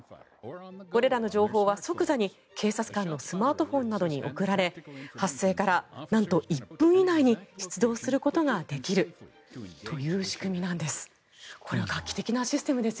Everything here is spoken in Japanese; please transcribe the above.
これらの情報は即座に警察官のスマートフォンなどに送られ発生からなんと１分以内に出動することができるという仕組みなんです。